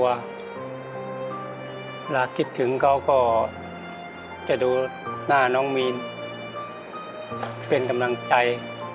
เวลาคิดถึงเขาก็จะดูหน้าน้องมีนเป็นกำลังใจ